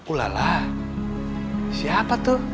ulala siapa tuh